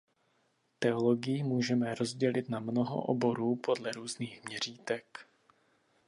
Teologii můžeme rozdělit na mnoho oborů podle různých měřítek.